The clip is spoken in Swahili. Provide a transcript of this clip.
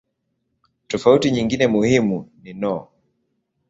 Tofauti nyingine muhimu ni no.